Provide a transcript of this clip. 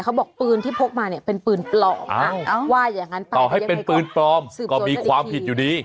เขาบอกปืนที่พกมาเนี่ยเป็นปืนปลอมว่าอย่างนั้นต่อให้เป็นปืนปลอมก็มีความผิดอยู่ดี